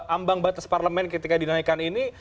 ambang batas parlemen ketika dinaikkan ini